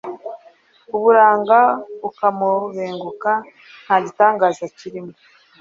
uburanga ukamubenguka nta gitangaza kirimo